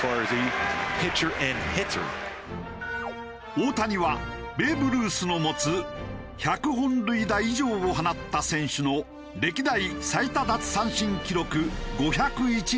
大谷はベーブ・ルースの持つ１００本塁打以上を放った選手の歴代最多奪三振記録５０１に並んだ。